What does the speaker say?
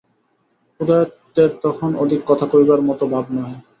উদয়াদিত্যের তখন অধিক কথা কহিবার মতো ভাব নহে।